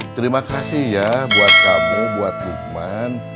terima kasih ya buat kamu buat lukman